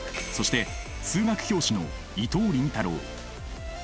そして数学教師の伊藤倫太郎。